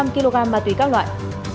một trăm linh kg ma túy các loại